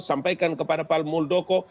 sampaikan kepada pak muldoko